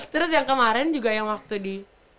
terus yang kemarin juga yang waktu di